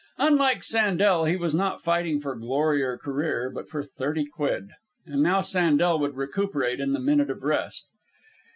Unlike Sandel, he was not fighting for glory or career, but for thirty quid. And now Sandel would recuperate in the minute of rest.